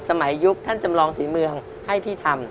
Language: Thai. ยุคท่านจำลองศรีเมืองให้พี่ทำ